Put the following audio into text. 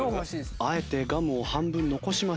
あえてガムを半分残しました。